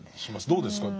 どうですか？